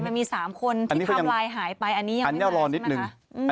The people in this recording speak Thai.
มันมี๓คนที่ไทม์ไลน์หายไปอันนี้ยังไม่ไหลใช่ไหมคะ